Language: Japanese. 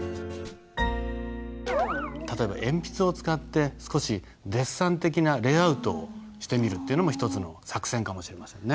例えば鉛筆を使って少しデッサン的なレイアウトをしてみるっていうのも一つの作戦かもしれませんね。